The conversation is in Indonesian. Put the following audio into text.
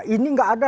ini tidak ada